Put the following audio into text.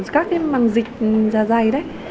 các cái màn dịch dạ dày đấy